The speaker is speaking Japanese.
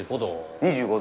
２５度？